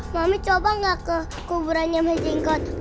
mami coba gak kekuburannya mba jengot